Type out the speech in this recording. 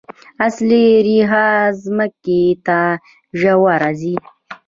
اصلي ریښه ځمکې ته ژوره ځي